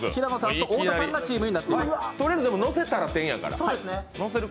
とりあえず乗せたら点やから。